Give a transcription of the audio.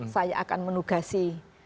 saya akan menugasi